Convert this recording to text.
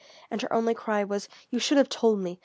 And her only cry was: "You should have told me!